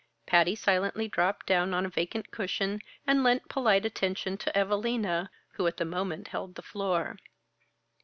Patty silently dropped down on a vacant cushion, and lent polite attention to Evalina, who at the moment held the floor.